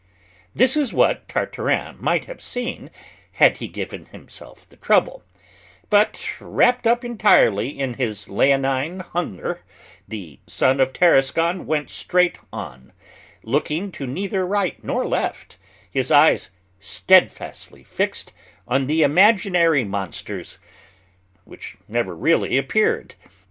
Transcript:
This is what Tartarin might have seen had he given himself the trouble; but, wrapped up entirely in his leonine hunger, the son of Tarascon went straight on, looking to neither right nor left, his eyes steadfastly fixed on the imaginary monsters which never really appeared.